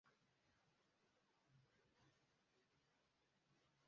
Abagabo babiri barimo kuzamuka mu rutare ku isoko